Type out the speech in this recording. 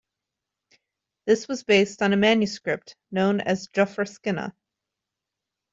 This was based on a manuscript known as "Jofraskinna".